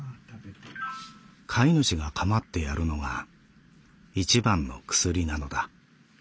飼い主がかまってやるのが一番の薬なのだ」。